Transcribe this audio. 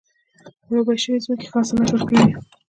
خړوبې شوې ځمکه ښه حاصلات ورکوي.